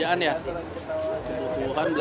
kalian bisa schneller jadi chilli remarkable